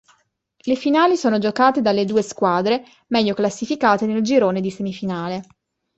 Le finali sono giocate dalle due squadre meglio classificate nel girone di semifinale.